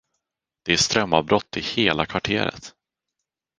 Det är strömavbrott i hela kvarteret.